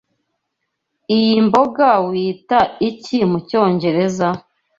Iyi mboga wita iki mucyongereza?